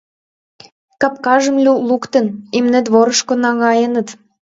Капкажым луктын, имне дворышко наҥгаеныт.